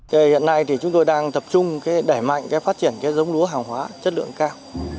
hiện nay chúng tôi đang tập trung đẩy mạnh phát triển giống lúa hàng hóa chất lượng cao